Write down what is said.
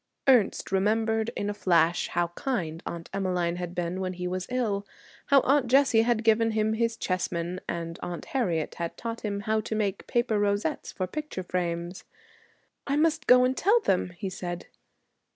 Ernest remembered in a flash how kind Aunt Emmeline had been when he was ill, how Aunt Jessie had given him his chessmen, and Aunt Harriet had taught him how to make paper rosettes for picture frames. 'I must go and tell them,' he said.